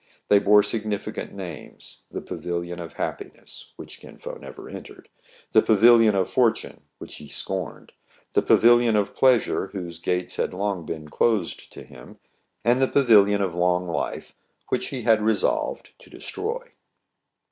They bore significant names, — the Pavilion of Happiness, which Kin Fo never entered ; the Pavilion of For tune, which he scorned; the Pavilion of Pleas ure, whose gates had long been closed to him ; and the Pavilion of Long Life, which he had resolved to destroy.